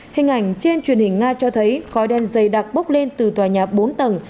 hình ảnh trên truyền hình nga cho thấy khói đen dày đặc bốc lên từ tòa nhà bốn tầng